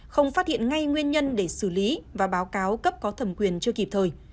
không phát hiện ngay nguyên nhân để xử lý và báo cáo cấp có thẩm quyền chưa kịp thời